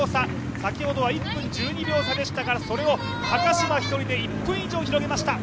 先ほどは１分１２秒差でしたが高島１人で１分以上広げました。